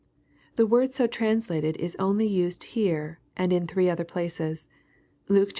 ] The word so translated is only used here and in three other places : Luke iii.